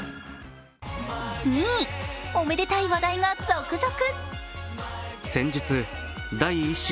２位、おめでたい話題が続々。